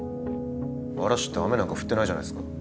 嵐って雨なんか降ってないじゃないっすか。